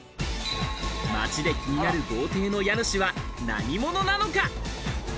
街で気になる豪邸の家主は何者なのか。